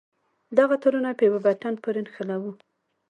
دغه تارونه په يوه بټن پورې نښلوو.